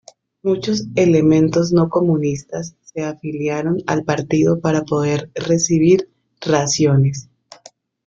Muchos elementos no comunistas se afiliaron al partido para poder recibir raciones.